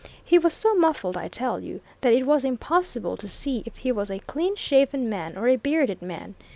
He was so muffled, I tell you, that it was impossible to see if he was a clean shaven man or a bearded man.